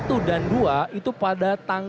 itu perhubungan dari banda bintang